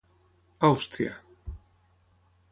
Àustria.